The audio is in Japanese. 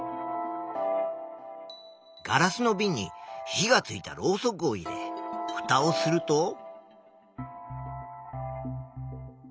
ガラスのびんに火がついたろうそくを入れふたをすると。